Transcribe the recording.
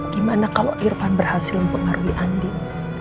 gimana kalau irfan berhasil mempengaruhi andin